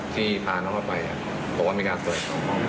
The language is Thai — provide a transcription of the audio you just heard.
ที่พาน้องเข้าไปอ่ะบอกว่าไม่กล้าเกิด